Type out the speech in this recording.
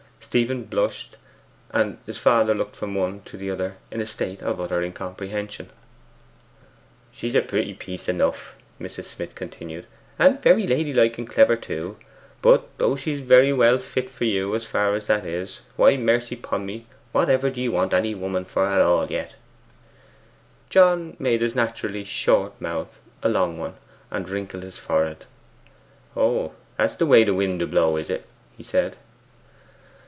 Stephen blushed; and his father looked from one to the other in a state of utter incomprehension. 'She's a pretty piece enough,' Mrs. Smith continued, 'and very lady like and clever too. But though she's very well fit for you as far as that is, why, mercy 'pon me, what ever do you want any woman at all for yet?' John made his naturally short mouth a long one, and wrinkled his forehead, 'That's the way the wind d'blow, is it?' he said.